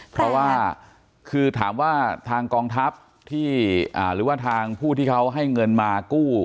เพราะว่าคือถามว่าทางกองทัพที่หรือว่าทางผู้ที่เขาให้เงินมากู้